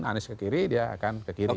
anies ke kiri dia akan ke kiri